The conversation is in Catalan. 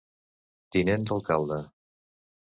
Tinent d'Alcalde.